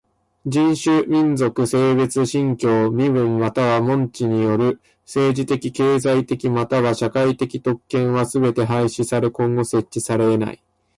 人種、民族、性別、信教、身分または門地による政治的経済的または社会的特権はすべて廃止され今後設置されえない。